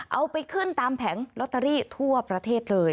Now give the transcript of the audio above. เอาไปขึ้นตามแผงลอตเตอรี่ทั่วประเทศเลย